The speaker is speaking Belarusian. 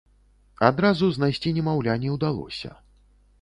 Адразу знайсці немаўля не ўдалося.